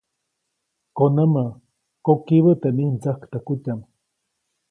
Konämä, kokibä teʼ mij mdsäktäjkutyaʼm.